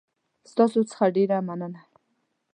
ستاسو څخه ډېره مننه